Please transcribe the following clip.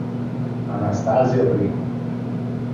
Anastasio I